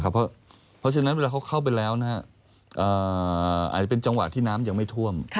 เพราะฉะนั้นเวลาเขาเข้าไปแล้วอาจจะเป็นจังหวะที่น้ำยังไม่ท่วม